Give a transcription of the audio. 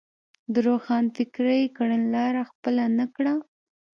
د روښانفکرۍ کڼلاره خپله نه کړه.